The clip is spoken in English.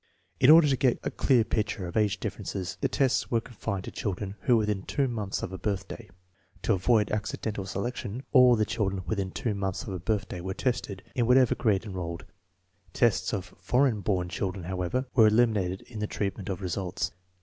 In order to get clear pictures of age differences the tests were confined to children who were within two months of a THE STANFORD REVISION 53 birthday. To avoid accidental selection, all the children within two months of a birthday were tested, in whatever grade enrolled. Tests of foreign born children, however, were eliminated in the treatment of results.